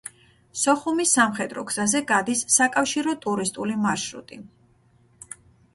სოხუმის სამხედრო გზაზე გადის საკავშირო ტურისტული მარშრუტი.